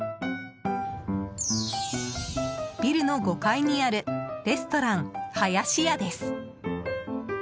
ビルの５階にあるレストランはやしやです。